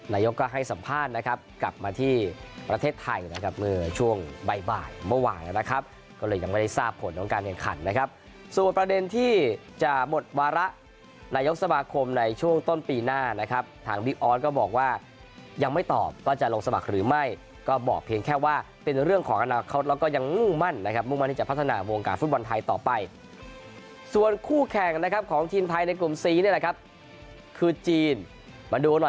นายกก็ให้สัมภาษณ์นะครับกลับมาที่ประเทศไทยนะครับเมื่อช่วงบ่ายบ่ายเมื่อวานนะครับก็เลยยังไม่ได้ทราบผลของการแข่งขันนะครับส่วนประเด็นที่จะหมดวาระนายกสมาคมในช่วงต้นปีหน้านะครับทางวิออนก็บอกว่ายังไม่ตอบว่าจะลงสมัครหรือไม่ก็บอกเพียงแค่ว่าเป็นเรื่องของอนาคตแล้วก็ยังง่วงมั่นนะครับง่ว